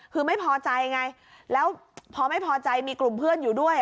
คือไม่พอใจไงแล้วพอไม่พอใจมีกลุ่มเพื่อนอยู่ด้วย